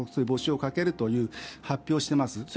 募集をかけるという発表をしています。